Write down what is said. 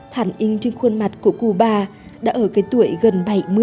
thản in trên khuôn mặt của cụ bà đã ở cái tuổi gần bảy mươi